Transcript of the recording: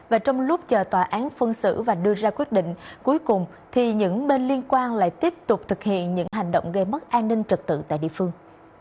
và trong lúc chờ tòa án phân xử và đưa ra quyết định cuối cùng thì những bên liên quan lại tiếp tục thực hiện những hành động gây mất an ninh trật tự tại địa phương